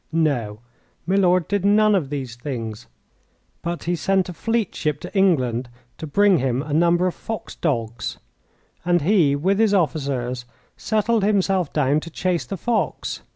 No, Milord did none of these things. But he sent a fleet ship to England to bring him a number of fox dogs; and he with his officers settled himself down to chase the fox.